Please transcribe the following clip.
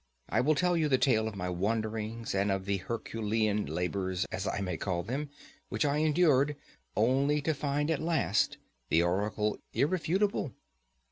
I will tell you the tale of my wanderings and of the "Herculean" labours, as I may call them, which I endured only to find at last the oracle irrefutable.